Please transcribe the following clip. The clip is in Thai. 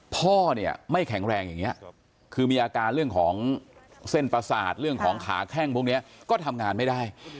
พ่อเนี่ยไม่แข็งแรงอย่างนี้คือมีอาการเรื่องของเส้นประสาทเรื่องของขาแข้งพวกนี้ก็ทำงานไม่ได้